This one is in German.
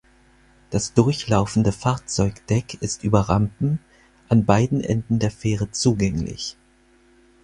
Das durchlaufende Fahrzeugdeck ist über Rampen an beiden Enden der Fähre zugänglich.